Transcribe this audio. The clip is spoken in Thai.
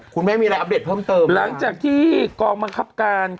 คุณแม่มีอะไรอัปเดตเพิ่มเติมหลังจากที่กองบังคับการ